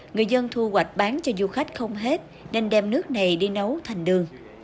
người dân thu hoạch bán cho du khách không hết nên đem nước này đi nấu thành đường